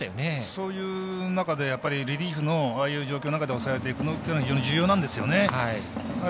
そういう流れの中でリリーフのああいう状況の中で抑えていくのって非常に重要なんですよね。